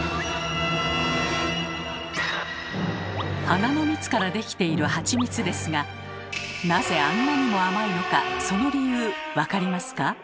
花の蜜からできているハチミツですがなぜあんなにも甘いのかその理由分かりますか？